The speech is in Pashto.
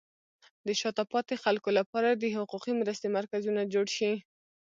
د شاته پاتې خلکو لپاره د حقوقي مرستې مرکزونه جوړ شي.